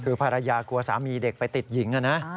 คือภรรยากลัวสามีเด็กไปติดหญิงนะ